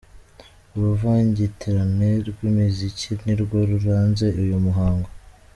Uruvangitirane rw'imiziki nirwo rwaranze uyu muhango.